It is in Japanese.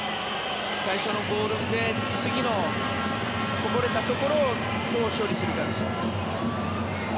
最初のボールで次のこぼれたところをどう処理するかです。